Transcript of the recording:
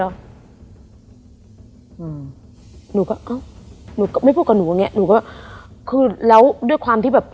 อืมหนูก็เอ้าหนูก็ไม่พูดกับหนูไงหนูก็คือแล้วด้วยความที่แบบ